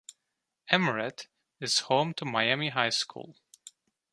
Amoret is home to Miami High School.